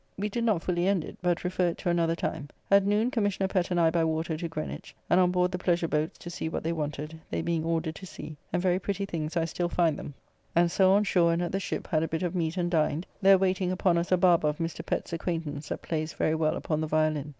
We did not fully end it, but refer it to another time. At noon Commr. Pett and I by water to Greenwich, and on board the pleasure boats to see what they wanted, they being ordered to sea, and very pretty things I still find them, and so on shore and at the Shipp had a bit of meat and dined, there waiting upon us a barber of Mr. Pett's acquaintance that plays very well upon the viollin.